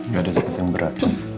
gak ada sakit yang berat